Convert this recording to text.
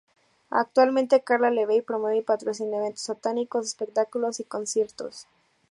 Actualmente, Karla LaVey promueve y patrocina eventos satánicos, espectáculos y conciertos.